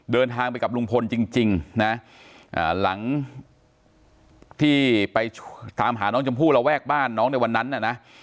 เดินทางไปกับลุงพลจริงนะหลังที่ไปตามหาน้องชมพู่ระแวกบ้านน้องในวันนั้นน่ะนะ